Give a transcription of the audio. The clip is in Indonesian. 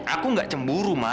aku gak cemburu ma